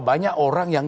banyak orang yang